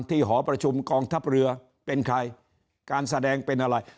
หอประชุมกองทัพเรือเป็นใครการแสดงเป็นอะไร